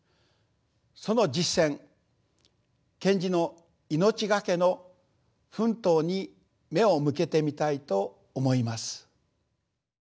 その実践賢治の命懸けの奮闘に目を向けてみたいと思います。